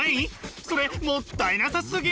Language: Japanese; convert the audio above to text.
それもったいなさすぎ！